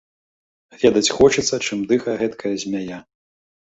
Ведаць хочацца, чым дыхае гэткая змяя.